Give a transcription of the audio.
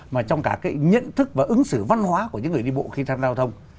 mà trong cả cái nhận thức và ứng xử văn hóa của những người đi bộ khi tham gia giao thông